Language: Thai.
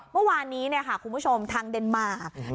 เมื่อวานนี้คุณผู้ชมทางเดนมาร์